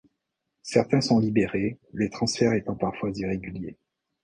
Certains sont libérés, les transferts étant parfois irréguliers.